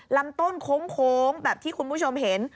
ลำต้นโค้งแบบที่คุณผู้ชมเห็น